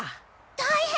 大変！